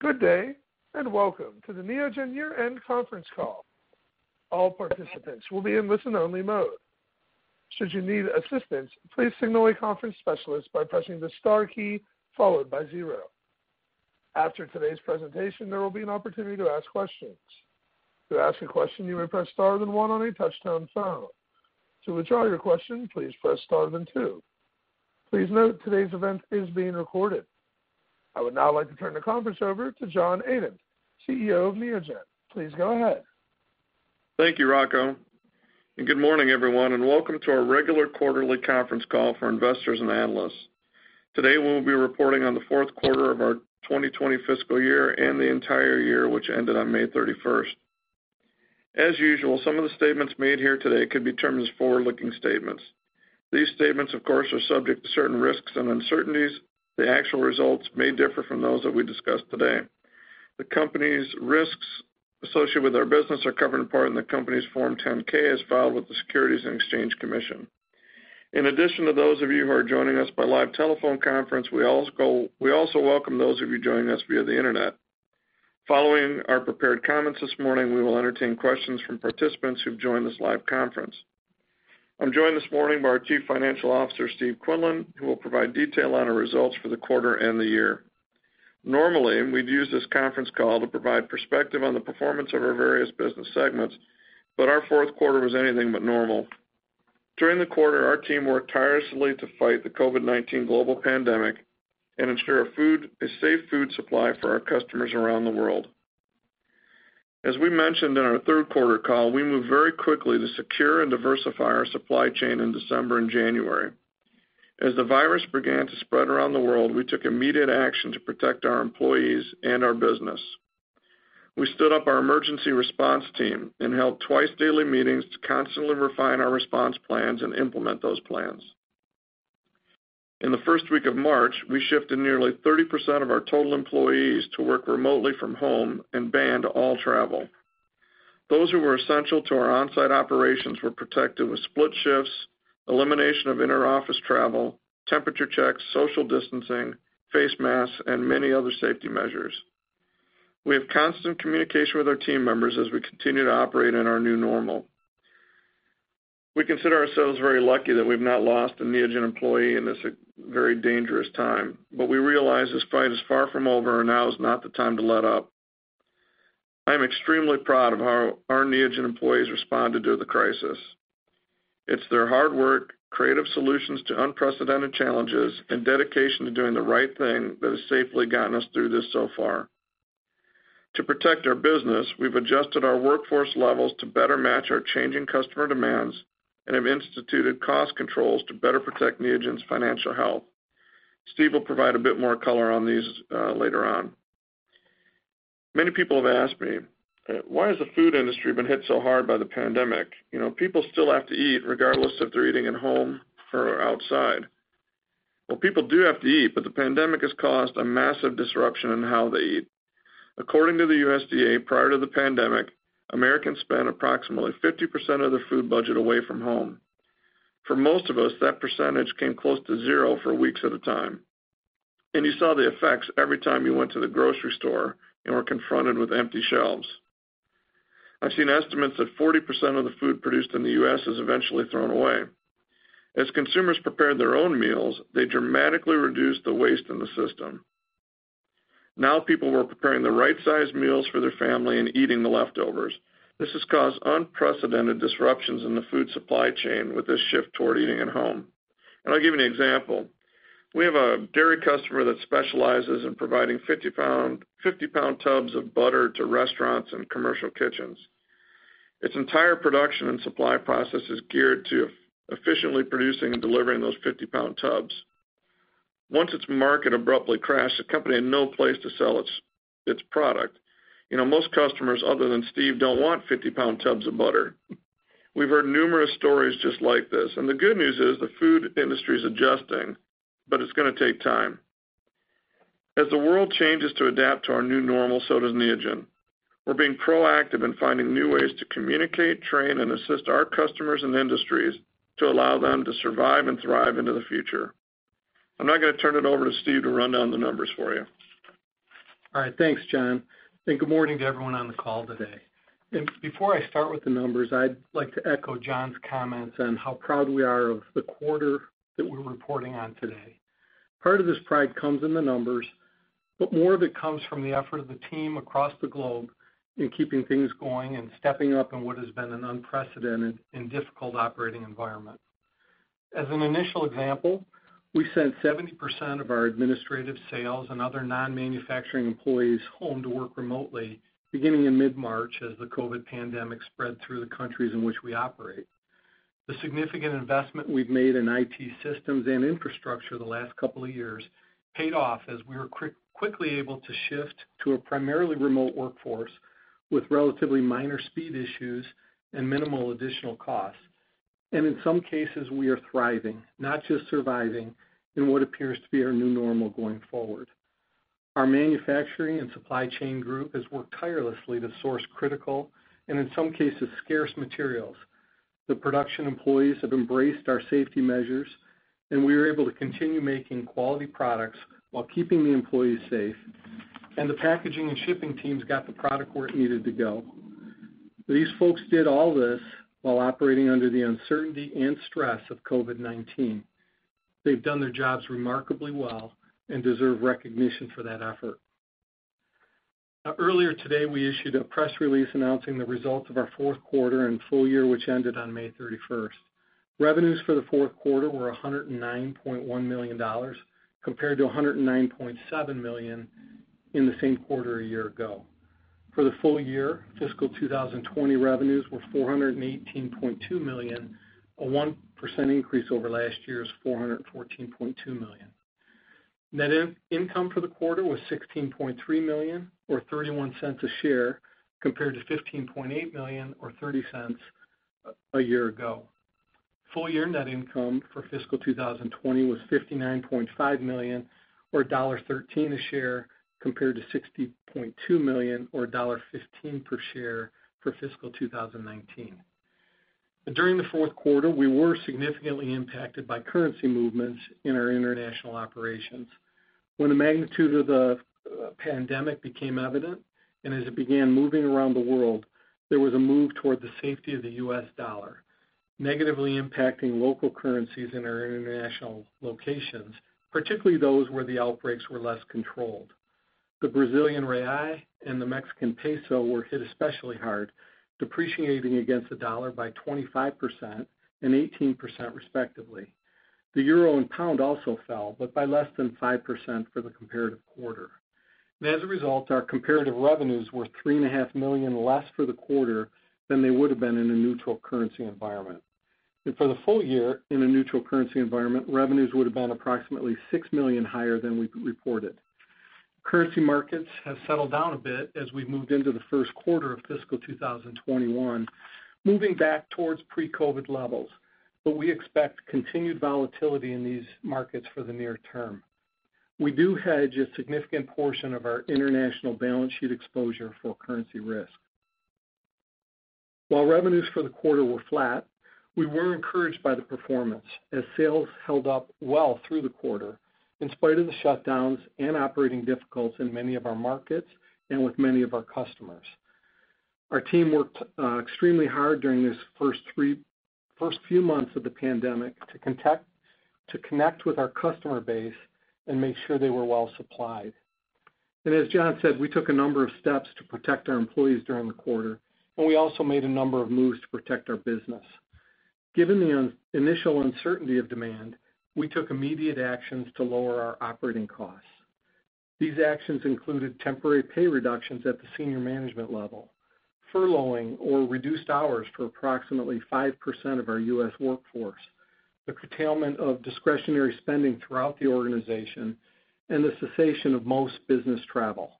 Good day. Welcome to the Neogen year-end conference call. All participants will be in listen-only mode. Should you need assistance, please signal a conference specialist by pressing the star key followed by zero. After today's presentation, there will be an opportunity to ask questions. To ask a question, you may press star then one on a touch-tone phone. To withdraw your question, please press star then two. Please note, today's event is being recorded. I would now like to turn the conference over to John Adent, CEO of Neogen. Please go ahead. Thank you, Rocco, and good morning, everyone, and welcome to our regular quarterly conference call for investors and analysts. Today, we'll be reporting on the fourth quarter of our 2020 fiscal year and the entire year, which ended on May 31st. As usual, some of the statements made here today could be termed as forward-looking statements. These statements, of course, are subject to certain risks and uncertainties. The actual results may differ from those that we discuss today. The company's risks associated with our business are covered in part in the company's Form 10-K, as filed with the Securities and Exchange Commission. In addition to those of you who are joining us by live telephone conference, we also welcome those of you joining us via the internet. Following our prepared comments this morning, we will entertain questions from participants who've joined this live conference. I'm joined this morning by our chief financial officer, Steve Quinlan, who will provide detail on our results for the quarter and the year. Normally, we'd use this conference call to provide perspective on the performance of our various business segments, but our fourth quarter was anything but normal. During the quarter, our team worked tirelessly to fight the COVID-19 global pandemic and ensure a safe food supply for our customers around the world. As we mentioned in our third quarter call, we moved very quickly to secure and diversify our supply chain in December and January. As the virus began to spread around the world, we took immediate action to protect our employees and our business. We stood up our emergency response team and held twice-daily meetings to constantly refine our response plans and implement those plans. In the first week of March, we shifted nearly 30% of our total employees to work remotely from home and banned all travel. Those who were essential to our on-site operations were protected with split shifts, elimination of inter-office travel, temperature checks, social distancing, face masks, and many other safety measures. We have constant communication with our team members as we continue to operate in our new normal. We consider ourselves very lucky that we've not lost a Neogen employee in this very dangerous time. We realize this fight is far from over, and now is not the time to let up. I am extremely proud of how our Neogen employees responded to the crisis. It's their hard work, creative solutions to unprecedented challenges, and dedication to doing the right thing that has safely gotten us through this so far. To protect our business, we've adjusted our workforce levels to better match our changing customer demands and have instituted cost controls to better protect Neogen's financial health. Steve will provide a bit more color on these later on. Many people have asked me, "Why has the food industry been hit so hard by the pandemic? People still have to eat, regardless if they're eating at home or outside." Well, people do have to eat, but the pandemic has caused a massive disruption in how they eat. According to the USDA, prior to the pandemic, Americans spent approximately 50% of their food budget away from home. For most of us, that percentage came close to zero for weeks at a time. You saw the effects every time you went to the grocery store and were confronted with empty shelves. I've seen estimates that 40% of the food produced in the U.S. is eventually thrown away. As consumers prepared their own meals, they dramatically reduced the waste in the system. Now, people were preparing the right-sized meals for their family and eating the leftovers. This has caused unprecedented disruptions in the food supply chain with this shift toward eating at home. I'll give you an example. We have a dairy customer that specializes in providing 50-pound tubs of butter to restaurants and commercial kitchens. Its entire production and supply process is geared to efficiently producing and delivering those 50-pound tubs. Once its market abruptly crashed, the company had no place to sell its product. Most customers other than Steve don't want 50-pound tubs of butter. We've heard numerous stories just like this, and the good news is the food industry is adjusting, but it's going to take time. As the world changes to adapt to our new normal, so does Neogen. We're being proactive in finding new ways to communicate, train, and assist our customers and industries to allow them to survive and thrive into the future. I'm now going to turn it over to Steve to run down the numbers for you. All right. Thanks, John. Good morning to everyone on the call today. Before I start with the numbers, I'd like to echo John's comments on how proud we are of the quarter that we're reporting on today. Part of this pride comes in the numbers, but more of it comes from the effort of the team across the globe in keeping things going and stepping up in what has been an unprecedented and difficult operating environment. As an initial example, we sent 70% of our administrative, sales, and other non-manufacturing employees home to work remotely beginning in mid-March as the COVID pandemic spread through the countries in which we operate. The significant investment we've made in IT systems and infrastructure the last couple of years paid off as we were quickly able to shift to a primarily remote workforce with relatively minor speed issues and minimal additional costs. In some cases, we are thriving, not just surviving, in what appears to be our new normal going forward. Our manufacturing and supply chain group has worked tirelessly to source critical, and in some cases, scarce materials. The production employees have embraced our safety measures, and we are able to continue making quality products while keeping the employees safe, and the packaging and shipping teams got the product where it needed to go. These folks did all this while operating under the uncertainty and stress of COVID-19. They've done their jobs remarkably well and deserve recognition for that effort. Earlier today, we issued a press release announcing the results of our fourth quarter and full year, which ended on May 31st. Revenues for the fourth quarter were $109.1 million, compared to $109.7 million in the same quarter a year ago. For the full year, fiscal 2020 revenues were $418.2 million, a 1% increase over last year's $414.2 million. Net income for the quarter was $16.3 million or $0.31 a share, compared to $15.8 million or $0.30 a year ago. Full year net income for fiscal 2020 was $59.5 million or $1.13 a share compared to $60.2 million or $1.15 per share for fiscal 2019. During the fourth quarter, we were significantly impacted by currency movements in our international operations. When the magnitude of the pandemic became evident, and as it began moving around the world, there was a move toward the safety of the U.S. dollar, negatively impacting local currencies in our international locations, particularly those where the outbreaks were less controlled. The Brazilian real and the Mexican peso were hit especially hard, depreciating against the dollar by 25% and 18%, respectively. The euro and pound also fell, but by less than 5% for the comparative quarter. As a result, our comparative revenues were $3.5 million less for the quarter than they would have been in a neutral currency environment. For the full year, in a neutral currency environment, revenues would have been approximately $6 million higher than we reported. Currency markets have settled down a bit as we've moved into the first quarter of fiscal 2021, moving back towards pre-COVID-19 levels, but we expect continued volatility in these markets for the near term. We do hedge a significant portion of our international balance sheet exposure for currency risk. While revenues for the quarter were flat, we were encouraged by the performance as sales held up well through the quarter in spite of the shutdowns and operating difficulties in many of our markets and with many of our customers. Our team worked extremely hard during these first few months of the pandemic to connect with our customer base and make sure they were well supplied. As John said, we took a number of steps to protect our employees during the quarter, and we also made a number of moves to protect our business. Given the initial uncertainty of demand, we took immediate actions to lower our operating costs. These actions included temporary pay reductions at the senior management level, furloughing or reduced hours for approximately 5% of our U.S. workforce, the curtailment of discretionary spending throughout the organization, and the cessation of most business travel.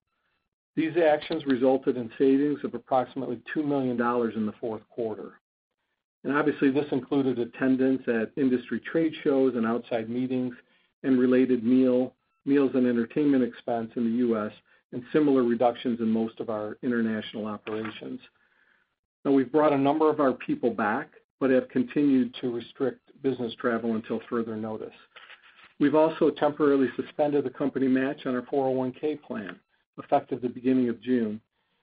These actions resulted in savings of approximately $2 million in the fourth quarter. Obviously, this included attendance at industry trade shows and outside meetings and related meals and entertainment expense in the U.S., and similar reductions in most of our international operations. We've brought a number of our people back, but have continued to restrict business travel until further notice. We've also temporarily suspended the company match on our 401(k) plan, effective the beginning of June,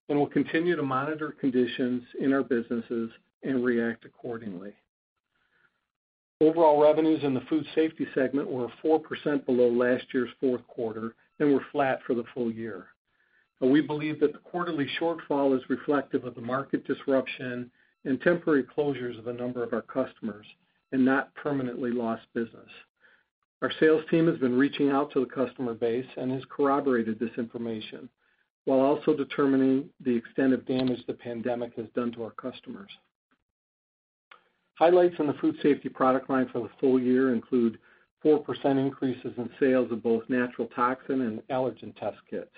and we'll continue to monitor conditions in our businesses and react accordingly. Overall revenues in the food safety segment were 4% below last year's fourth quarter and were flat for the full year. We believe that the quarterly shortfall is reflective of the market disruption and temporary closures of a number of our customers and not permanently lost business. Our sales team has been reaching out to the customer base and has corroborated this information while also determining the extent of damage the pandemic has done to our customers. Highlights in the food safety product line for the full year include 4% increases in sales of both natural toxin and allergen test kits.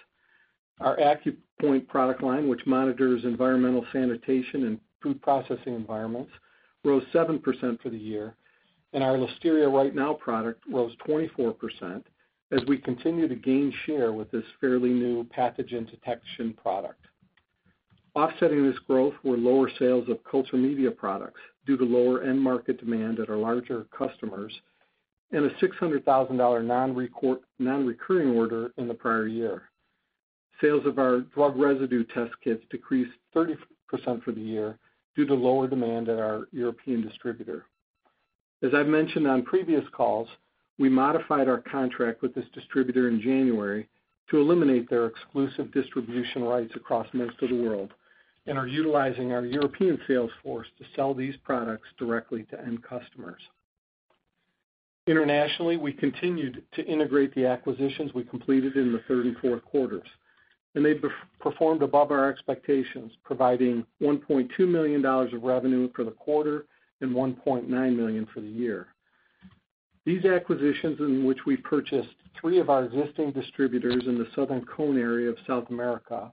Our AccuPoint product line, which monitors environmental sanitation in food processing environments, rose 7% for the year, and our Listeria Right Now product rose 24% as we continue to gain share with this fairly new pathogen detection product. Offsetting this growth were lower sales of culture media products due to lower end market demand at our larger customers and a $600,000 non-recurring order in the prior year. Sales of our drug residue test kits decreased 30% for the year due to lower demand at our European distributor. As I've mentioned on previous calls, we modified our contract with this distributor in January to eliminate their exclusive distribution rights across most of the world and are utilizing our European sales force to sell these products directly to end customers. Internationally, we continued to integrate the acquisitions we completed in the third and fourth quarters. They've performed above our expectations, providing $1.2 million of revenue for the quarter and $1.9 million for the year. These acquisitions, in which we purchased three of our existing distributors in the Southern Cone area of South America,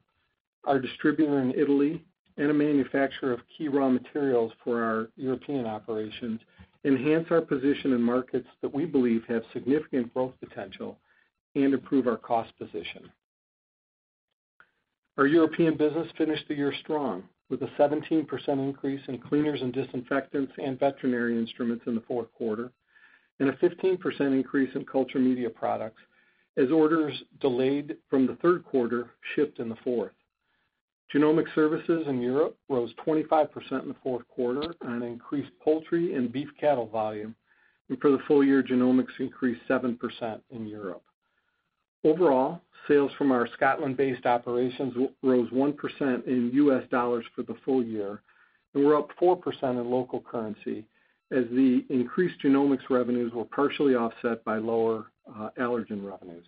our distributor in Italy, and a manufacturer of key raw materials for our European operations, enhance our position in markets that we believe have significant growth potential and improve our cost position. Our European business finished the year strong, with a 17% increase in cleaners and disinfectants and veterinary instruments in the fourth quarter, and a 15% increase in culture media products, as orders delayed from the third quarter shifted in the fourth. Genomic services in Europe rose 25% in the fourth quarter on an increased poultry and beef cattle volume. For the full year, genomics increased 7% in Europe. Overall, sales from our Scotland-based operations rose 1% in U.S. dollars for the full year and were up 4% in local currency, as the increased genomics revenues were partially offset by lower allergen revenues.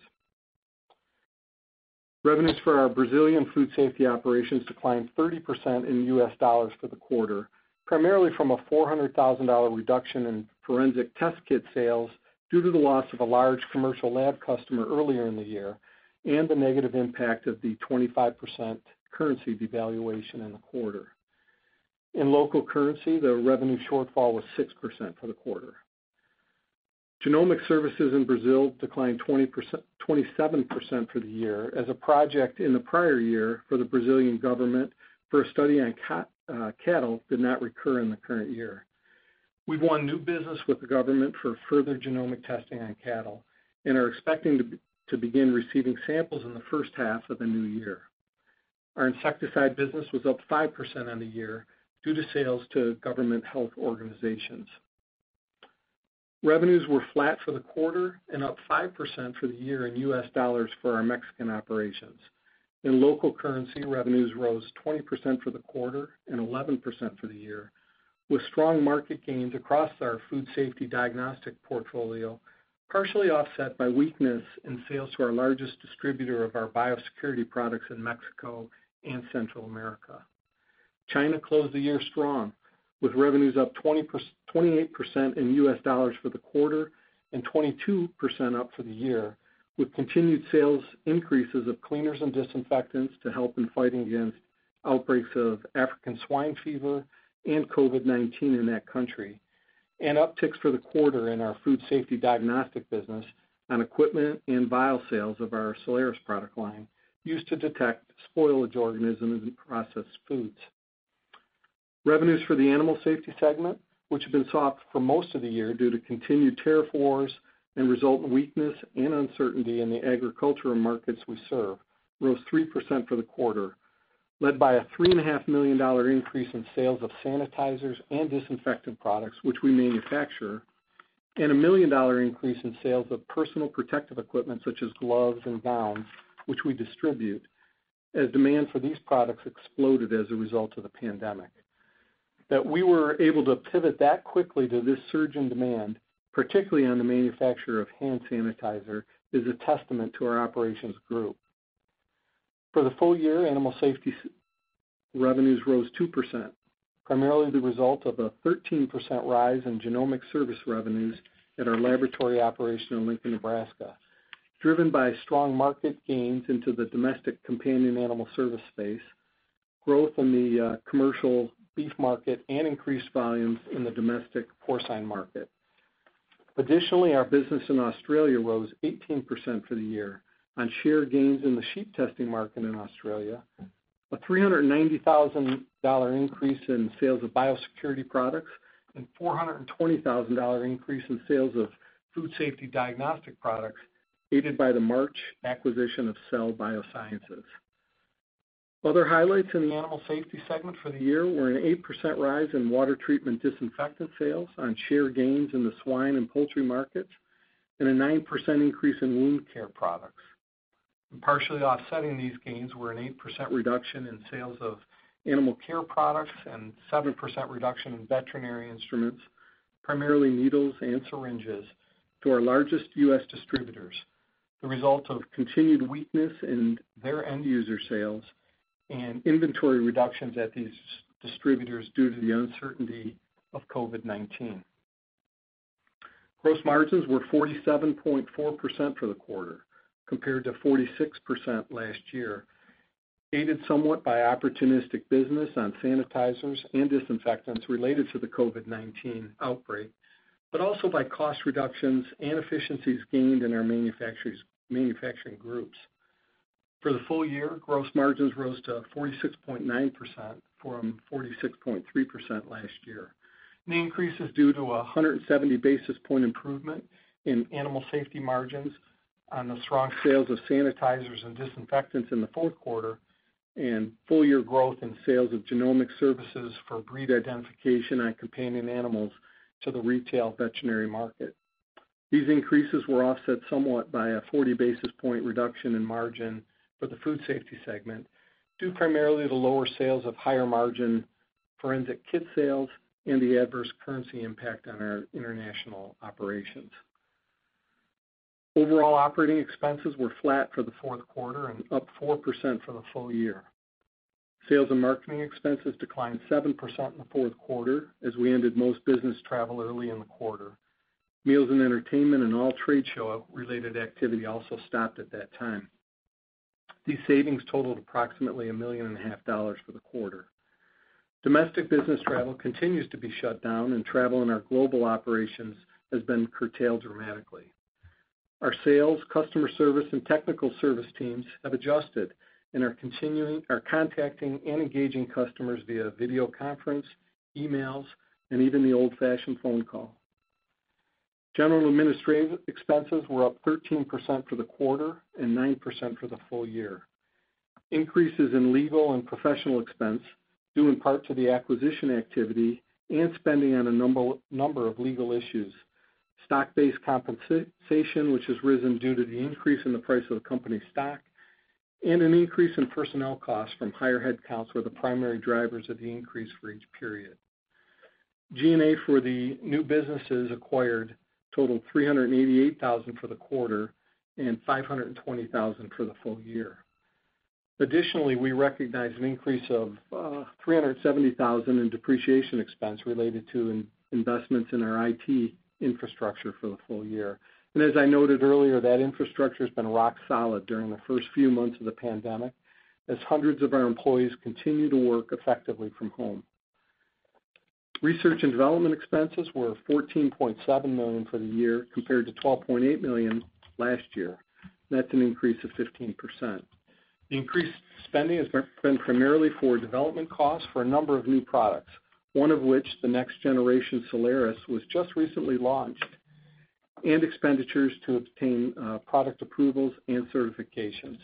Revenues for our Brazilian food safety operations declined 30% in U.S. dollars for the quarter, primarily from a $400,000 reduction in forensic test kit sales due to the loss of a large commercial lab customer earlier in the year, and the negative impact of the 25% currency devaluation in the quarter. In local currency, the revenue shortfall was 6% for the quarter. Genomic services in Brazil declined 27% for the year as a project in the prior year for the Brazilian government for a study on cattle did not recur in the current year. We've won new business with the government for further genomic testing on cattle and are expecting to begin receiving samples in the first half of the new year. Our insecticide business was up 5% on the year due to sales to government health organizations. Revenues were flat for the quarter and up 5% for the year in US dollars for our Mexican operations. In MXN, revenues rose 20% for the quarter and 11% for the year, with strong market gains across our food safety diagnostic portfolio, partially offset by weakness in sales to our largest distributor of our biosecurity products in Mexico and Central America. China closed the year strong, with revenues up 28% in US dollars for the quarter and 22% up for the year, with continued sales increases of cleaners and disinfectants to help in fighting against outbreaks of African swine fever and COVID-19 in that country. Upticks for the quarter in our food safety diagnostic business on equipment and vial sales of our Soleris product line used to detect spoilage organisms in processed foods. Revenues for the Animal Safety segment, which had been soft for most of the year due to continued tariff wars and resultant weakness and uncertainty in the agricultural markets we serve, rose 3% for the quarter, led by a $3.5 million increase in sales of sanitizers and disinfectant products, which we manufacture. A $1 million increase in sales of personal protective equipment such as gloves and gowns, which we distribute, as demand for these products exploded as a result of the pandemic. That we were able to pivot that quickly to this surge in demand, particularly on the manufacture of hand sanitizer, is a testament to our operations group. For the full year, Animal Safety revenues rose 2%, primarily the result of a 13% rise in genomic service revenues at our laboratory operation in Lincoln, Nebraska, driven by strong market gains into the domestic companion animal service space, growth in the commercial beef market, and increased volumes in the domestic porcine market. Additionally, our business in Australia rose 18% for the year on share gains in the sheep testing market in Australia. A $390,000 increase in sales of biosecurity products, and $420,000 increase in sales of Food Safety diagnostic products, aided by the March acquisition of Cell BioSciences. Other highlights in the Animal Safety segment for the year were an 8% rise in water treatment disinfectant sales on share gains in the swine and poultry markets, and a 9% increase in wound care products. Partially offsetting these gains were an 8% reduction in sales of animal care products and 7% reduction in veterinary instruments, primarily needles and syringes, to our largest U.S. distributors, the result of continued weakness in their end user sales and inventory reductions at these distributors due to the uncertainty of COVID-19. Gross margins were 47.4% for the quarter compared to 46% last year, aided somewhat by opportunistic business on sanitizers and disinfectants related to the COVID-19 outbreak, but also by cost reductions and efficiencies gained in our manufacturing groups. For the full year, gross margins rose to 46.9% from 46.3% last year. The increase is due to a 170-basis point improvement in animal safety margins on the strong sales of sanitizers and disinfectants in the fourth quarter, and full-year growth in sales of genomic services for breed identification on companion animals to the retail veterinary market. These increases were offset somewhat by a 40-basis point reduction in margin for the food safety segment, due primarily to lower sales of higher margin forensic kit sales and the adverse currency impact on our international operations. Overall operating expenses were flat for the fourth quarter and up 4% for the full year. Sales and marketing expenses declined 7% in the fourth quarter, as we ended most business travel early in the quarter. Meals and entertainment and all trade show-related activity also stopped at that time. These savings totaled approximately $1.5 million for the quarter. Domestic business travel continues to be shut down, and travel in our global operations has been curtailed dramatically. Our sales, customer service, and technical service teams have adjusted and are contacting and engaging customers via video conference, emails, and even the old-fashioned phone call. General administrative expenses were up 13% for the quarter and 9% for the full year. Increases in legal and professional expense, due in part to the acquisition activity and spending on a number of legal issues, stock-based compensation, which has risen due to the increase in the price of the company stock, and an increase in personnel costs from higher headcounts were the primary drivers of the increase for each period. G&A for the new businesses acquired totaled $388,000 for the quarter and $520,000 for the full year. Additionally, we recognized an increase of $370,000 in depreciation expense related to investments in our IT infrastructure for the full year. As I noted earlier, that infrastructure's been rock solid during the first few months of the pandemic, as hundreds of our employees continue to work effectively from home. Research and development expenses were $14.7 million for the year, compared to $12.8 million last year. That's an increase of 15%. The increased spending has been primarily for development costs for a number of new products, one of which, the next generation Soleris, was just recently launched, and expenditures to obtain product approvals and certifications.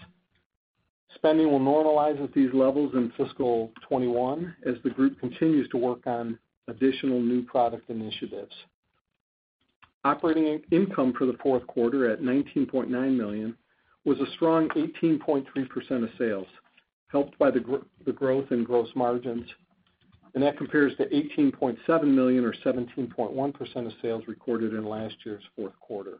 Spending will normalize at these levels in fiscal 2021 as the group continues to work on additional new product initiatives. Operating income for the fourth quarter at $19.9 million was a strong 18.3% of sales, helped by the growth in gross margins. That compares to $18.7 million, or 17.1% of sales, recorded in last year's fourth quarter.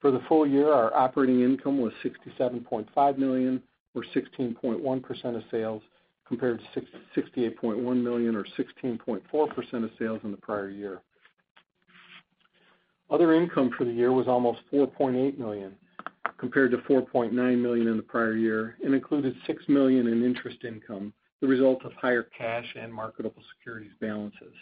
For the full year, our operating income was $67.5 million, or 16.1% of sales, compared to $68.1 million, or 16.4% of sales, in the prior year. Other income for the year was almost $4.8 million, compared to $4.9 million in the prior year, and included $6 million in interest income, the result of higher cash and marketable securities balances.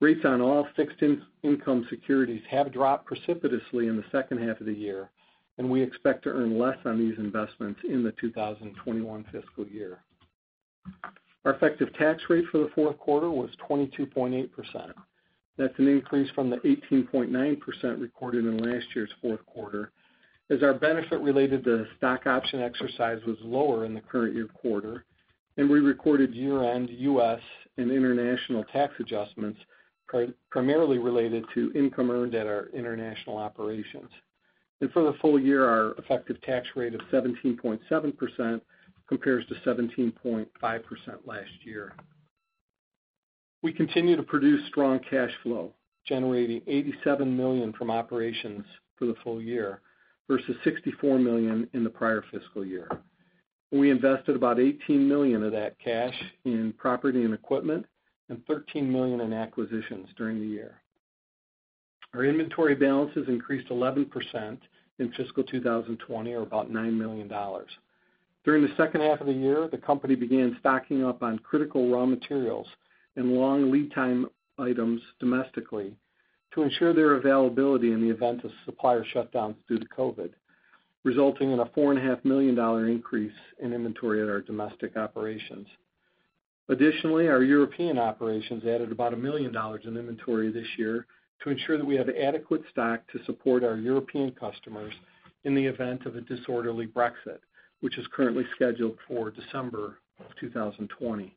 Rates on all fixed income securities have dropped precipitously in the second half of the year, and we expect to earn less on these investments in the 2021 fiscal year. Our effective tax rate for the fourth quarter was 22.8%. That's an increase from the 18.9% recorded in last year's fourth quarter as our benefit related to stock option exercise was lower in the current year quarter, and we recorded year-end U.S. and international tax adjustments primarily related to income earned at our international operations. For the full year, our effective tax rate of 17.7% compares to 17.5% last year. We continue to produce strong cash flow, generating $87 million from operations for the full year versus $64 million in the prior fiscal year. We invested about $18 million of that cash in property and equipment and $13 million in acquisitions during the year. Our inventory balances increased 11% in fiscal 2020, or about $9 million. During the second half of the year, the company began stocking up on critical raw materials and long lead time items domestically to ensure their availability in the event of supplier shutdowns due to COVID, resulting in a $4.5 million increase in inventory at our domestic operations. Additionally, our European operations added about $1 million in inventory this year to ensure that we have adequate stock to support our European customers in the event of a disorderly Brexit, which is currently scheduled for December of 2020.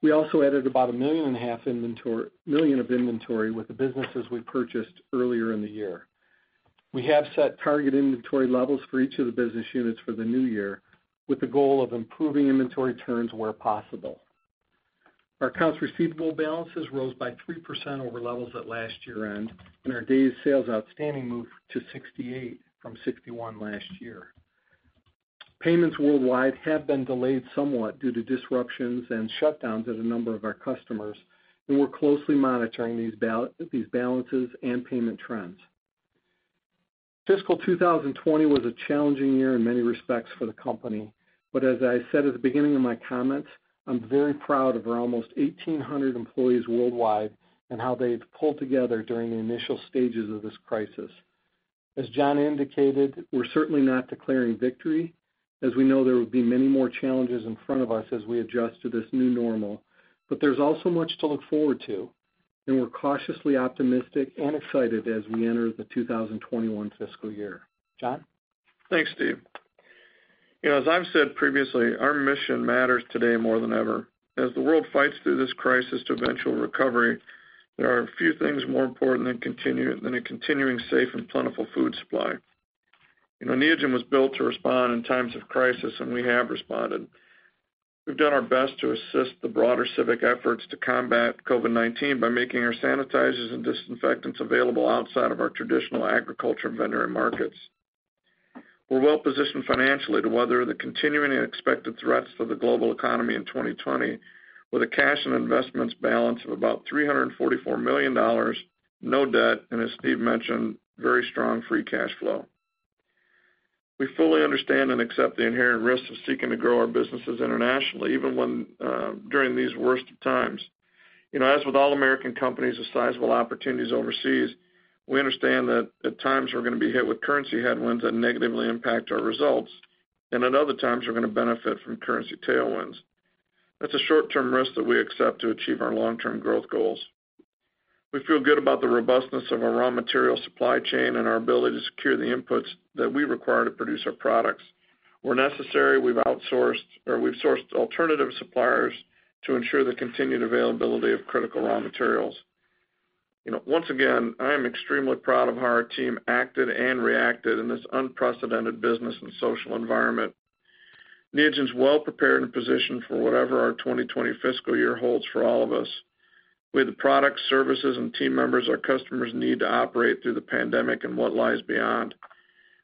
We also added about a million and a half of inventory with the businesses we purchased earlier in the year. We have set target inventory levels for each of the business units for the new year with the goal of improving inventory turns where possible. Our accounts receivable balances rose by 3% over levels at last year-end, and our days sales outstanding moved to 68 from 61 last year. Payments worldwide have been delayed somewhat due to disruptions and shutdowns at a number of our customers, and we're closely monitoring these balances and payment trends. Fiscal 2020 was a challenging year in many respects for the company. As I said at the beginning of my comments, I'm very proud of our almost 1,800 employees worldwide and how they've pulled together during the initial stages of this crisis. As John indicated, we're certainly not declaring victory, as we know there will be many more challenges in front of us as we adjust to this new normal, but there's also much to look forward to, and we're cautiously optimistic and excited as we enter the 2021 fiscal year. John? Thanks, Steve. As I've said previously, our mission matters today more than ever. As the world fights through this crisis to eventual recovery, there are few things more important than a continuing safe and plentiful food supply. Neogen was built to respond in times of crisis, and we have responded. We've done our best to assist the broader civic efforts to combat COVID-19 by making our sanitizers and disinfectants available outside of our traditional agriculture and veterinary markets. We're well-positioned financially to weather the continuing and expected threats to the global economy in 2020 with a cash and investments balance of about $344 million, no debt, and as Steve mentioned, very strong free cash flow. We fully understand and accept the inherent risks of seeking to grow our businesses internationally, even during these worst of times. As with all American companies with sizable opportunities overseas, we understand that at times we're going to be hit with currency headwinds that negatively impact our results, and at other times, we're going to benefit from currency tailwinds. That's a short-term risk that we accept to achieve our long-term growth goals. We feel good about the robustness of our raw material supply chain and our ability to secure the inputs that we require to produce our products. Where necessary, we've outsourced or we've sourced alternative suppliers to ensure the continued availability of critical raw materials. Once again, I am extremely proud of how our team acted and reacted in this unprecedented business and social environment. Neogen's well-prepared and positioned for whatever our 2020 fiscal year holds for all of us. We have the products, services, and team members our customers need to operate through the pandemic and what lies beyond.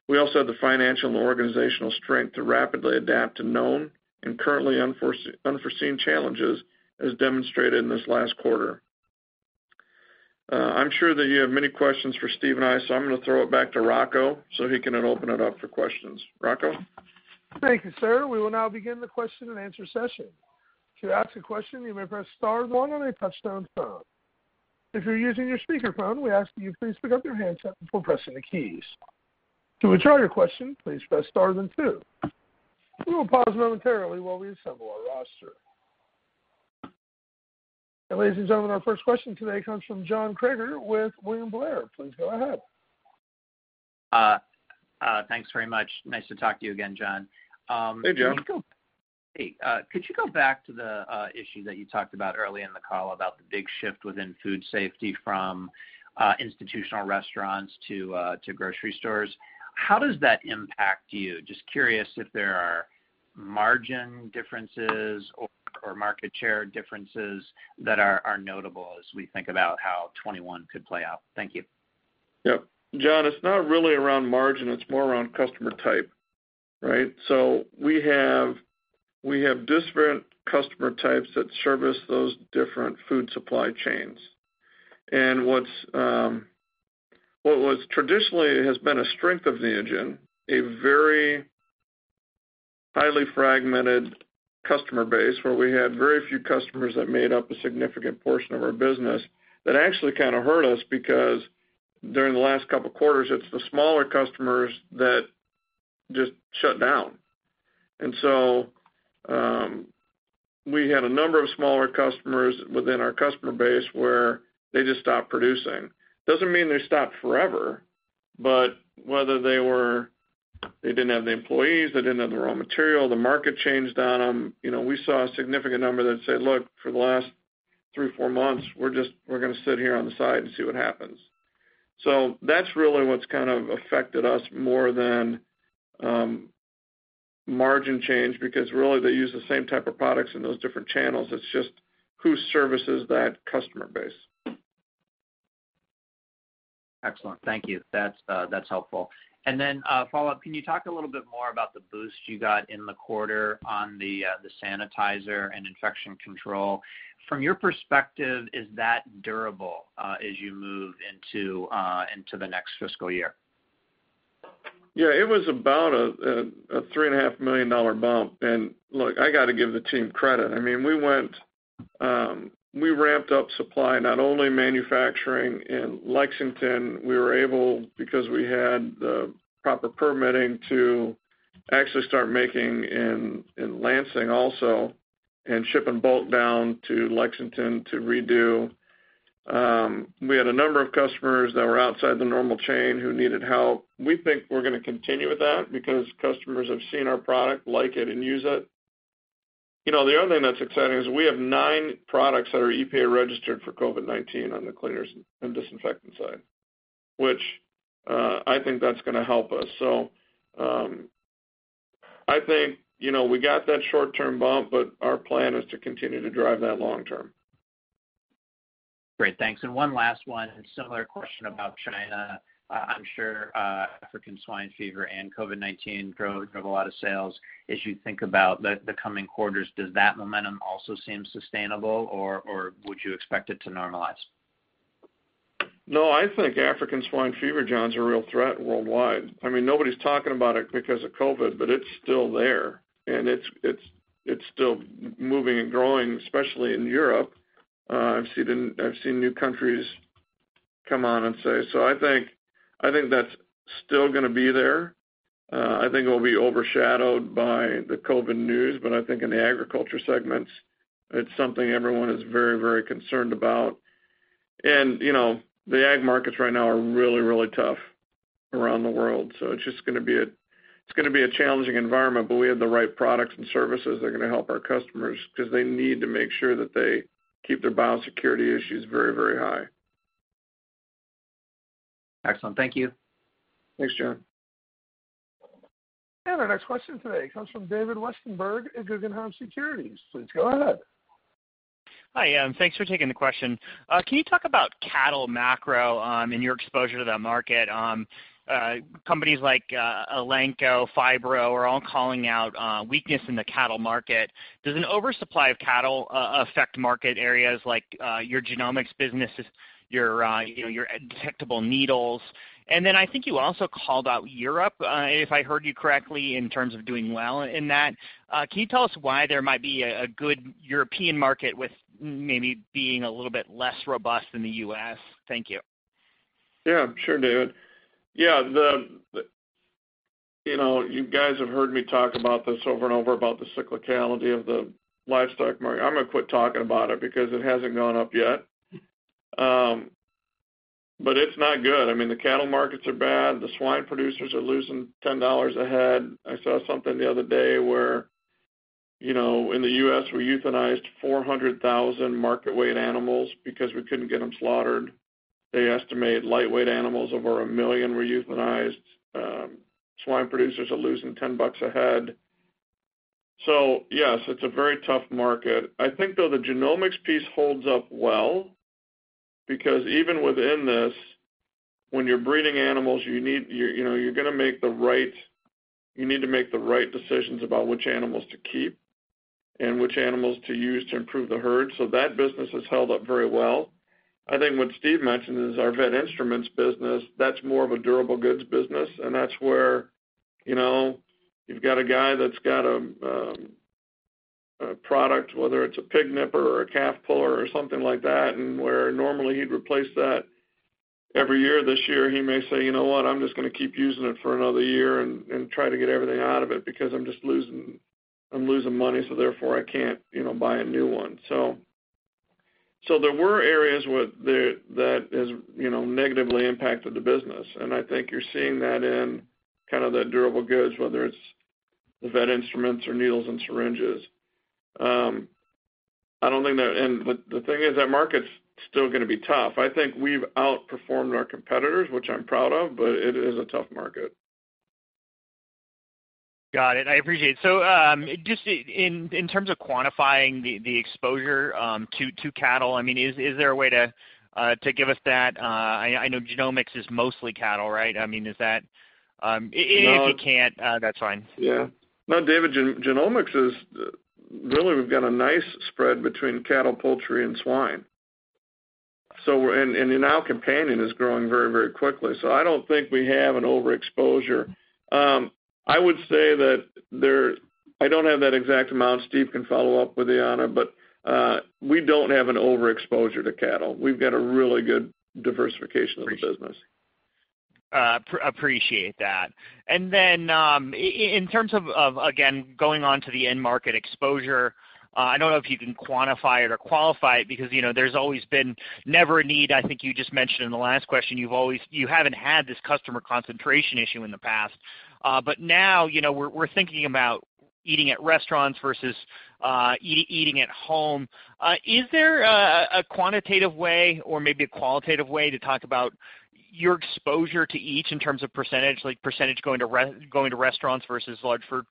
We also have the financial and organizational strength to rapidly adapt to known and currently unforeseen challenges as demonstrated in this last quarter. I'm sure that you have many questions for Steve and I, so I'm going to throw it back to Rocco so he can then open it up for questions. Rocco? Thank you, sir. We will now begin the question and answer session. To ask a question, you may press star one on a touch-tone phone. If you're using your speaker phone, we ask that you please pick up your handset before pressing the keys. To withdraw your question, please press star then two. We will pause momentarily while we assemble our roster. Ladies and gentlemen, our first question today comes from John Kramer with William Blair. Please go ahead. Thanks very much. Nice to talk to you again, John. Hey, John. Hey. Could you go back to the issue that you talked about early in the call about the big shift within food safety from institutional restaurants to grocery stores? How does that impact you? Just curious if there are margin differences or market share differences that are notable as we think about how 2021 could play out. Thank you. Yep. John, it's not really around margin, it's more around customer type, right? We have disparate customer types that service those different food supply chains. What traditionally has been a strength of Neogen, a very highly fragmented customer base where we had very few customers that made up a significant portion of our business, that actually kind of hurt us because during the last couple of quarters, it's the smaller customers that just shut down. We had a number of smaller customers within our customer base where they just stopped producing. Doesn't mean they stopped forever, but whether they didn't have the employees, they didn't have the raw material, the market changed on them. We saw a significant number that said, "Look, for the last three or four months, we're going to sit here on the side and see what happens." That's really what's kind of affected us more than margin change, because really they use the same type of products in those different channels. It's just who services that customer base. Excellent. Thank you. That's helpful. Follow-up, can you talk a little bit more about the boost you got in the quarter on the sanitizer and infection control? From your perspective, is that durable as you move into the next fiscal year? Yeah, it was about a $3.5 million bump. Look, I got to give the team credit. We ramped up supply, not only manufacturing in Lexington. We were able, because we had the proper permitting, to actually start making in Lansing also and shipping bulk down to Lexington to redo. We had a number of customers that were outside the normal chain who needed help. We think we're going to continue with that because customers have seen our product, like it and use it. The other thing that's exciting is we have nine products that are EPA registered for COVID-19 on the cleaners and disinfectant side, which I think that's going to help us. I think we got that short-term bump, but our plan is to continue to drive that long term. Great. Thanks. One last one, a similar question about China. I'm sure African swine fever and COVID-19 drove a lot of sales. As you think about the coming quarters, does that momentum also seem sustainable, or would you expect it to normalize? No, I think African swine fever, John, is a real threat worldwide. Nobody's talking about it because of COVID, but it's still there, and it's still moving and growing, especially in Europe. I've seen new countries come on and say. I think that's still going to be there. I think it will be overshadowed by the COVID news, but I think in the agriculture segments, it's something everyone is very concerned about. The ag markets right now are really tough around the world. It's going to be a challenging environment, but we have the right products and services that are going to help our customers because they need to make sure that they keep their biosecurity issues very high. Excellent. Thank you. Thanks, John. Our next question today comes from David Westenberg at Guggenheim Securities. Please go ahead. Hi, thanks for taking the question. Can you talk about cattle macro and your exposure to that market? Companies like Elanco, Phibro, are all calling out weakness in the cattle market. Does an oversupply of cattle affect market areas like your genomics businesses, your detectable needles? I think you also called out Europe, if I heard you correctly, in terms of doing well in that. Can you tell us why there might be a good European market with maybe being a little bit less robust than the U.S.? Thank you. Sure, David. You guys have heard me talk about this over and over about the cyclicality of the livestock market. I'm going to quit talking about it because it hasn't gone up yet. It's not good. The cattle markets are bad. The swine producers are losing $10 a head. I saw something the other day where in the U.S., we euthanized 400,000 market weight animals because we couldn't get them slaughtered. They estimate lightweight animals, over 1 million were euthanized. Swine producers are losing $10 a head. Yes, it's a very tough market. I think, though, the genomics piece holds up well, because even within this, when you're breeding animals, you need to make the right decisions about which animals to keep and which animals to use to improve the herd. That business has held up very well. I think what Steve mentioned is our vet instruments business. That's more of a durable goods business, and that's where you've got a guy that's got a product, whether it's a pig nipper or a calf puller or something like that, and where normally he'd replace that every year, this year, he may say, "You know what? I'm just going to keep using it for another year and try to get everything out of it because I'm just losing money, so therefore I can't buy a new one." There were areas where that has negatively impacted the business, and I think you're seeing that in the durable goods, whether it's the vet instruments or needles and syringes. The thing is that market's still going to be tough. I think we've outperformed our competitors, which I'm proud of, but it is a tough market. Got it. I appreciate. Just in terms of quantifying the exposure to cattle, is there a way to give us that? I know genomics is mostly cattle, right? If you can't, that's fine. Yeah. No, David, genomics really, we've got a nice spread between cattle, poultry, and swine. Now companion is growing very, very quickly. I don't think we have an overexposure. I would say that I don't have that exact amount. Steve can follow up with Iana, but we don't have an overexposure to cattle. We've got a really good diversification of the business. Appreciate that. In terms of, again, going on to the end market exposure, I don't know if you can quantify it or qualify it because there's always been never a need. I think you just mentioned in the last question, you haven't had this customer concentration issue in the past. Now, we're thinking about eating at restaurants versus eating at home. Is there a quantitative way or maybe a qualitative way to talk about your exposure to each in terms of %, like % going to restaurants versus large food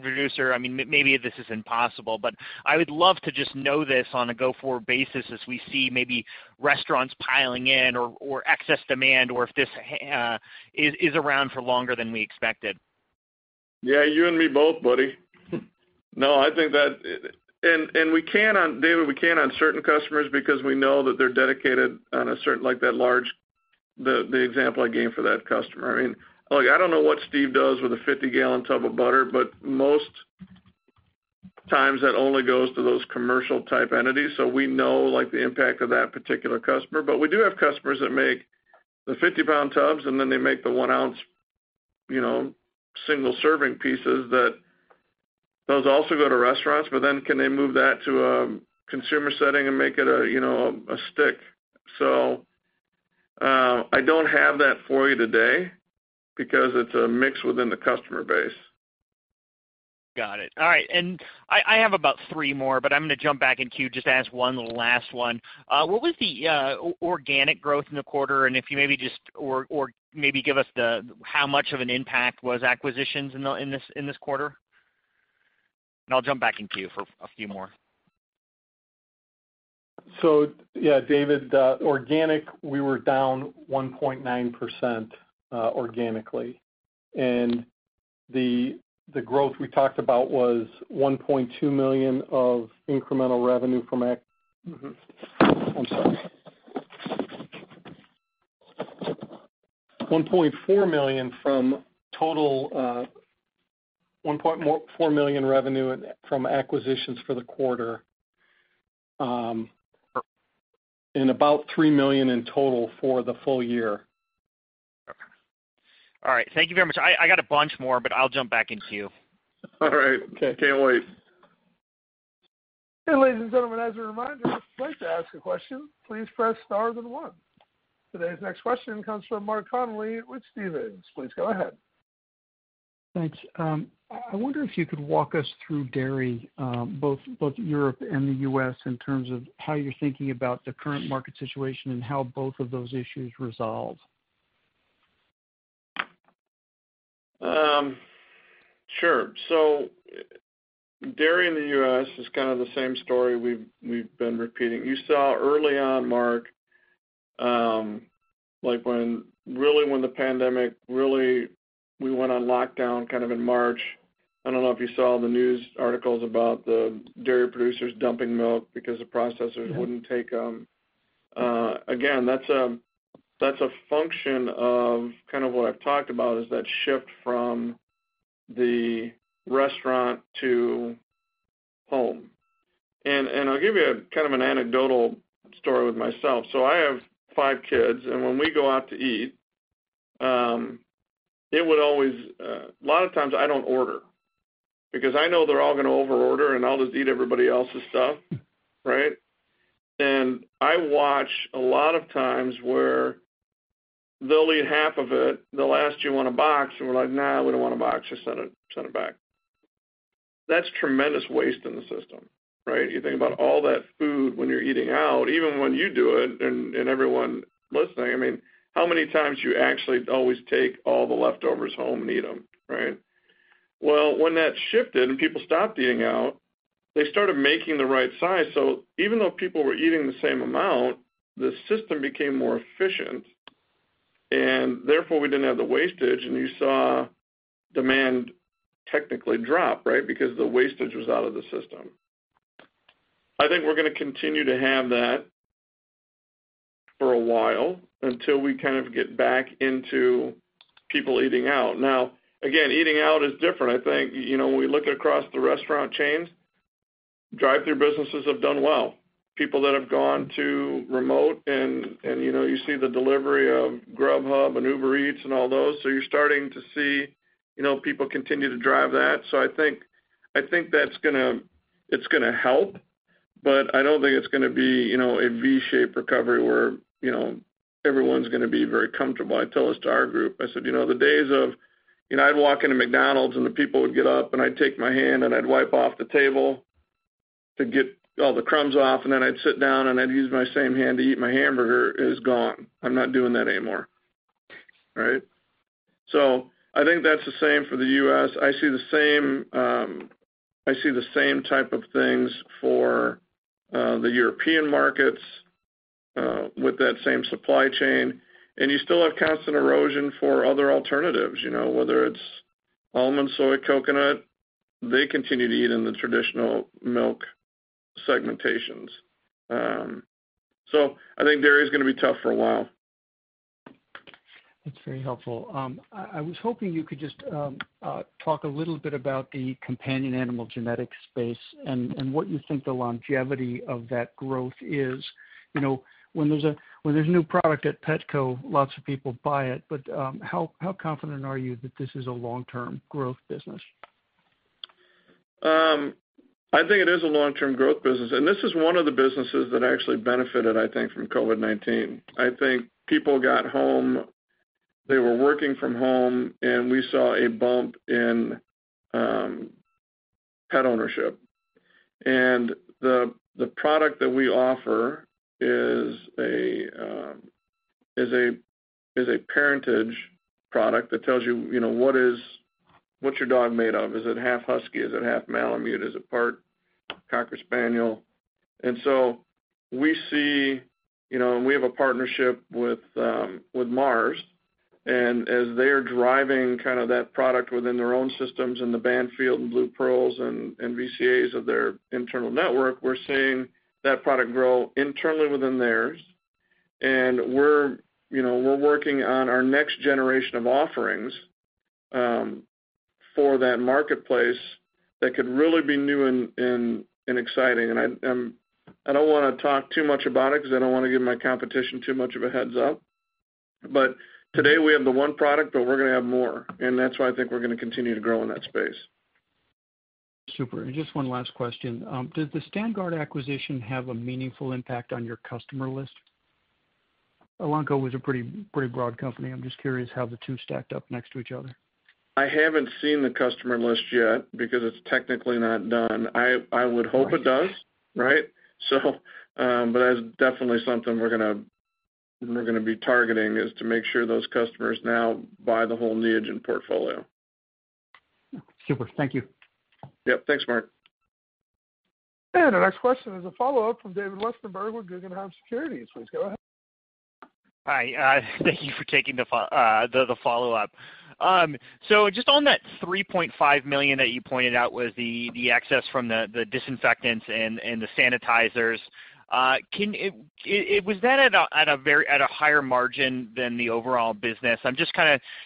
producer? Maybe this is impossible, but I would love to just know this on a go-forward basis as we see maybe restaurants piling in or excess demand, or if this is around for longer than we expected. Yeah, you and me both, buddy. David, we can on certain customers because we know that they're dedicated on a certain, like the example I gave for that customer. I don't know what Steve does with a 50 gallon tub of butter, but most times that only goes to those commercial-type entities. We know the impact of that particular customer. We do have customers that make the 50 pound tubs, and then they make the one ounce single serving pieces that those also go to restaurants, but then can they move that to a consumer setting and make it a stick. I don't have that for you today because it's a mix within the customer base. Got it. All right. I have about three more, but I'm going to jump back in queue just to ask one little last one. What was the organic growth in the quarter? If you maybe just give us how much of an impact was acquisitions in this quarter? I'll jump back in queue for a few more. Yeah, David, organic, we were down 1.9% organically. The growth we talked about was $1.4 million revenue from acquisitions for the quarter, and about $3 million in total for the full year. All right. Thank you very much. I got a bunch more, but I'll jump back in queue. All right. Can't wait. Ladies and gentlemen, as a reminder, if you would like to ask a question, please press star then one. Today's next question comes from Mark Connelly with Stephens. Please go ahead. Thanks. I wonder if you could walk us through dairy, both Europe and the U.S., in terms of how you're thinking about the current market situation and how both of those issues resolve. Sure. Dairy in the U.S. is kind of the same story we've been repeating. You saw early on, Mark, when the pandemic, we went on lockdown kind of in March. I don't know if you saw the news articles about the dairy producers dumping milk because the processors wouldn't take them. Again, that's a function of what I've talked about, is that shift from the restaurant to home. I'll give you kind of an anecdotal story with myself. I have five kids, and when we go out to eat, a lot of times I don't order because I know they're all going to over-order, and I'll just eat everybody else's stuff, right? I watch a lot of times where they'll eat half of it, they'll ask, "Do you want a box?" We're like, "Nah, we don't want a box." Just send it back. That's tremendous waste in the system, right? You think about all that food when you're eating out, even when you do it, and everyone listening, how many times do you actually always take all the leftovers home and eat them, right? When that shifted and people stopped eating out, they started making the right size. Even though people were eating the same amount, the system became more efficient, and therefore we didn't have the wastage. You saw demand technically drop, right? Because the wastage was out of the system. I think we're going to continue to have that for a while, until we kind of get back into people eating out. Again, eating out is different. I think when we look across the restaurant chains, drive-through businesses have done well. People that have gone to remote, and you see the delivery of Grubhub and Uber Eats and all those. You're starting to see people continue to drive that. I think that's going to help, but I don't think it's going to be a V-shaped recovery where everyone's going to be very comfortable. I tell this to our group. I said, "The days of I'd walk into McDonald's, and the people would get up, and I'd take my hand, and I'd wipe off the table to get all the crumbs off, and then I'd sit down, and I'd use my same hand to eat my hamburger is gone." I'm not doing that anymore, right? I think that's the same for the U.S. I see the same type of things for the European markets with that same supply chain. You still have constant erosion for other alternatives, whether it's almond, soy, coconut, they continue to eat in the traditional milk segmentations. I think dairy is going to be tough for a while. That's very helpful. I was hoping you could just talk a little bit about the companion animal genetics space and what you think the longevity of that growth is. When there's a new product at Petco, lots of people buy it. How confident are you that this is a long-term growth business? I think it is a long-term growth business, this is one of the businesses that actually benefited, I think, from COVID-19. I think people got home, they were working from home, we saw a bump in pet ownership. The product that we offer is a parentage product that tells you what's your dog made of? Is it half husky? Is it half malamute? Is it part cocker spaniel? We have a partnership with Mars, and as they are driving kind of that product within their own systems in the Banfield and BluePearl and VCAs of their internal network, we're seeing that product grow internally within theirs. We're working on our next generation of offerings for that marketplace that could really be new and exciting. I don't want to talk too much about it because I don't want to give my competition too much of a heads-up. Today we have the one product, but we're going to have more, and that's why I think we're going to continue to grow in that space. Super. Just one last question. Does the StandGuard acquisition have a meaningful impact on your customer list? Elanco was a pretty broad company. I'm just curious how the two stacked up next to each other. I haven't seen the customer list yet because it's technically not done. I would hope it does, right? That is definitely something we're going to be targeting is to make sure those customers now buy the whole Neogen portfolio. Super. Thank you. Yep. Thanks, Mark. Our next question is a follow-up from David Westenberg with Guggenheim Securities. Please go ahead. Hi. Thank you for taking the follow-up. Just on that $3.5 million that you pointed out was the excess from the disinfectants and the sanitizers, was that at a higher margin than the overall business?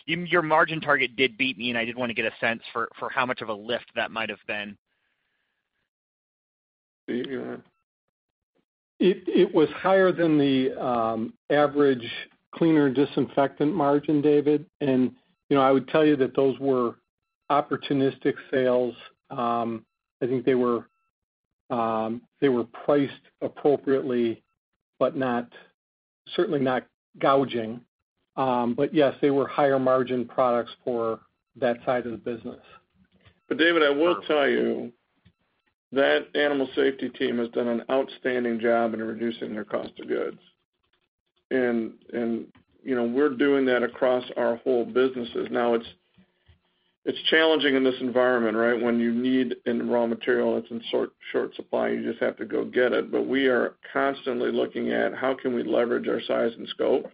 Your margin target did beat me, and I did want to get a sense for how much of a lift that might have been. It was higher than the average cleaner disinfectant margin, David, and I would tell you that those were opportunistic sales. I think they were priced appropriately, but certainly not gouging. Yes, they were higher margin products for that side of the business. David, I will tell you. That animal safety team has done an outstanding job in reducing their cost of goods. We're doing that across our whole businesses. Now, it's challenging in this environment, right? When you need a raw material that's in short supply, you just have to go get it. We are constantly looking at how can we leverage our size and scope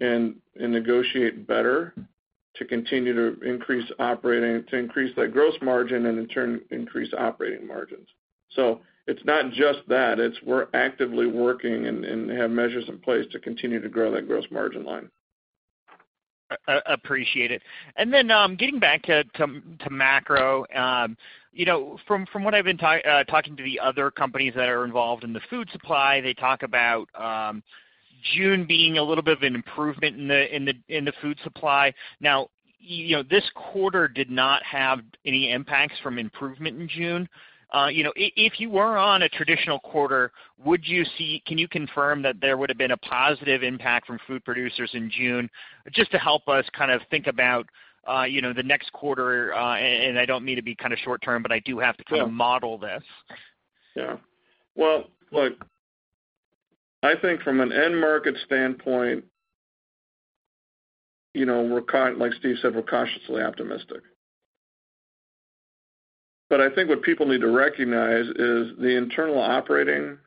and negotiate better to continue to increase that gross margin, and in turn, increase operating margins. It's not just that, it's we're actively working and have measures in place to continue to grow that gross margin line. Appreciate it. Getting back to macro. From what I've been talking to the other companies that are involved in the food supply, they talk about June being a little bit of an improvement in the food supply. Now, this quarter did not have any impacts from improvement in June. If you were on a traditional quarter, can you confirm that there would've been a positive impact from food producers in June? Just to help us kind of think about the next quarter, and I don't mean to be kind of short-term, but I do have to kind of model this. Well, look, I think from an end market standpoint, like Steve said, we're cautiously optimistic. I think what people need to recognize is the internal operating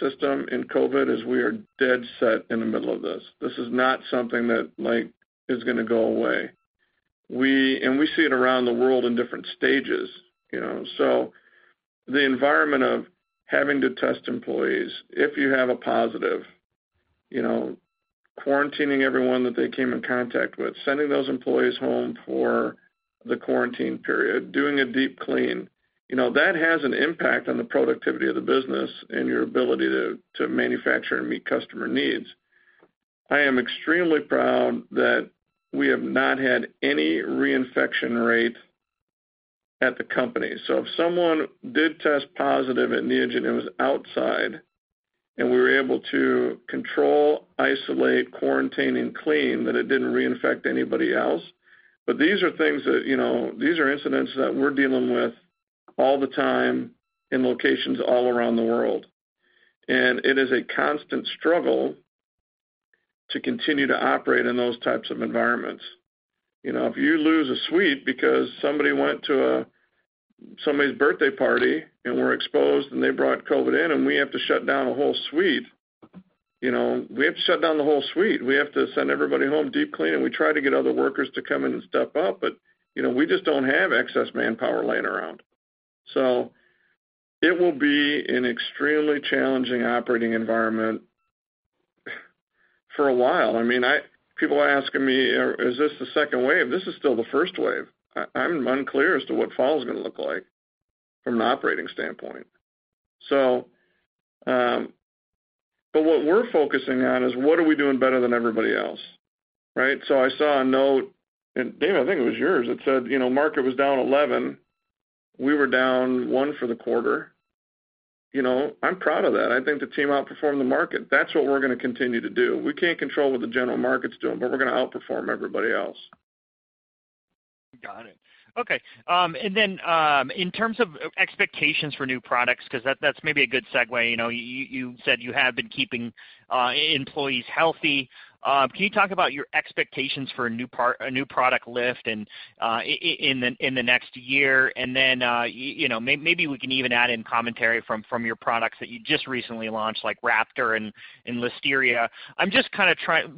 system in COVID is we are dead set in the middle of this. This is not something that is going to go away. We see it around the world in different stages. The environment of having to test employees, if you have a positive, quarantining everyone that they came in contact with, sending those employees home for the quarantine period, doing a deep clean, that has an impact on the productivity of the business and your ability to manufacture and meet customer needs. I am extremely proud that we have not had any reinfection rate at the company. If someone did test positive at Neogen, it was outside, and we were able to control, isolate, quarantine, and clean, that it didn't reinfect anybody else. These are incidents that we're dealing with all the time in locations all around the world, and it is a constant struggle to continue to operate in those types of environments. If you lose a suite because somebody went to somebody's birthday party and were exposed, and they brought COVID in, and we have to shut down a whole suite, we have to shut down the whole suite. We have to send everybody home, deep clean, and we try to get other workers to come in and step up, but we just don't have excess manpower laying around. It will be an extremely challenging operating environment for a while. People are asking me, "Is this the second wave?" This is still the first wave. I'm unclear as to what fall's going to look like from an operating standpoint. What we're focusing on is what are we doing better than everybody else, right? I saw a note, and David, I think it was yours. It said, "Market was down 11. We were down one for the quarter." I'm proud of that. I think the team outperformed the market. That's what we're going to continue to do. We can't control what the general market's doing, but we're going to outperform everybody else. Got it. Okay. In terms of expectations for new products, because that's maybe a good segue. You said you have been keeping employees healthy. Can you talk about your expectations for a new product lift in the next year? Maybe we can even add in commentary from your products that you just recently launched, like Raptor and Listeria.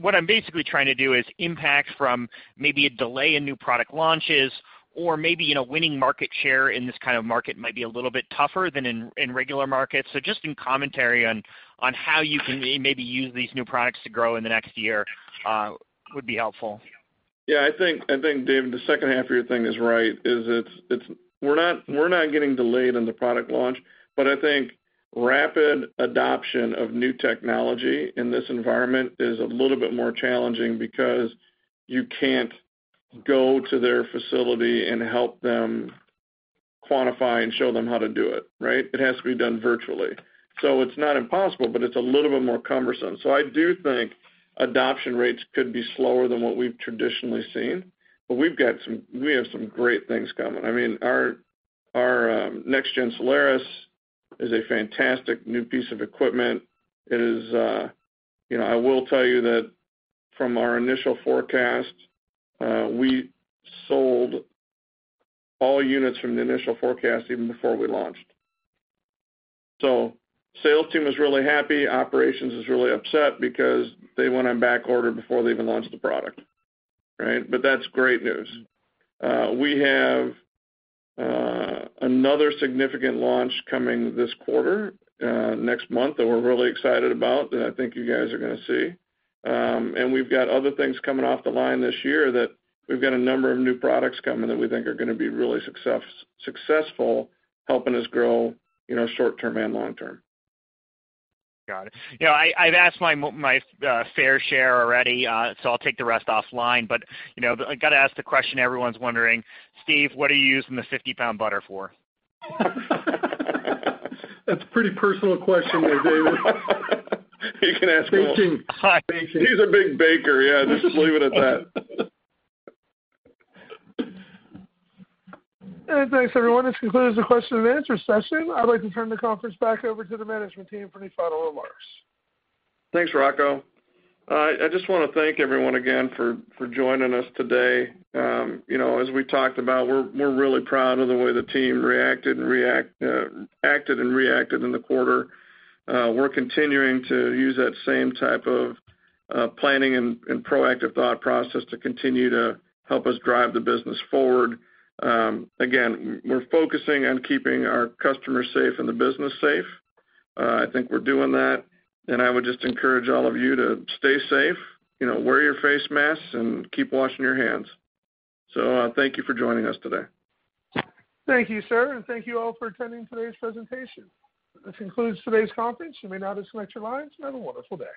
What I'm basically trying to do is, impact from maybe a delay in new product launches or maybe winning market share in this kind of market might be a little bit tougher than in regular markets. Just some commentary on how you can maybe use these new products to grow in the next year would be helpful. I think, David, the second half of your thing is right. We're not getting delayed on the product launch, but I think rapid adoption of new technology in this environment is a little bit more challenging because you can't go to their facility and help them quantify and show them how to do it, right? It has to be done virtually. It's not impossible, but it's a little bit more cumbersome. I do think adoption rates could be slower than what we've traditionally seen, but we have some great things coming. Our next gen Soleris is a fantastic new piece of equipment. I will tell you that from our initial forecast, we sold all units from the initial forecast even before we launched. Sales team is really happy. Operations is really upset because they went on back order before they even launched the product, right? That's great news. We have another significant launch coming this quarter, next month, that we're really excited about, that I think you guys are going to see. We've got other things coming off the line this year. We've got a number of new products coming that we think are going to be really successful helping us grow short-term and long-term. Got it. I've asked my fair share already, so I'll take the rest offline. I've got to ask the question everyone's wondering. Steve, what are you using the 50-pound butter for? That's a pretty personal question there, David. You can ask him. Baking. He's a big baker. Yeah, just leave it at that. Thanks, everyone. This concludes the question and answer session. I'd like to turn the conference back over to the management team for any final remarks. Thanks, Rocco. I just want to thank everyone again for joining us today. As we talked about, we're really proud of the way the team acted and reacted in the quarter. We're continuing to use that same type of planning and proactive thought process to continue to help us drive the business forward. We're focusing on keeping our customers safe and the business safe. I think we're doing that, and I would just encourage all of you to stay safe, wear your face masks, and keep washing your hands. Thank you for joining us today. Thank you, sir, and thank you all for attending today's presentation. This concludes today's conference. You may now disconnect your lines. Have a wonderful day.